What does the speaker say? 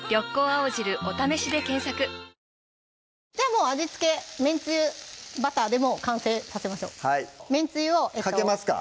もう味付けめんつゆバターでもう完成させましょうかけますか？